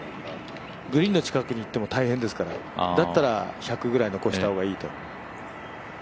グリーンの近くに行っても大変ですからだったら１００ぐらい残した方がいいと。